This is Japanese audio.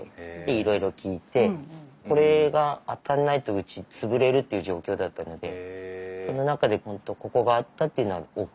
これが当たんないとうち潰れるっていう状況だったのでその中で本当ここがあったっていうのは大きいです。